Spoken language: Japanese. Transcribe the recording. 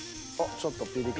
ちょっとピリ辛。